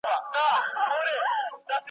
جنگ پر پوستين دئ -عبدالباري جهاني`